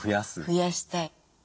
増やしたい。